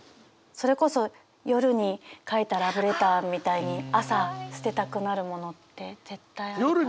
それこそ夜に書いたラブレターみたいに朝捨てたくなるものって絶対あるから。